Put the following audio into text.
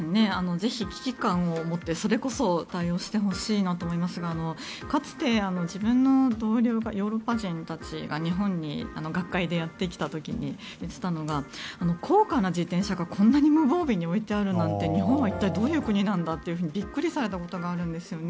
ぜひ危機感を持ってそれこそ対応してほしいなと思いますがかつて自分の同僚がヨーロッパ人たちが日本に学会でやってきた時に言っていたのが高価な自転車がこんなに無防備に置いてあるなんて日本は一体どういう国なんだってびっくりされたことがあるんですよね。